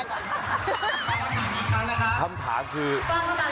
ฟังคำถามอีกแล้วนะคะ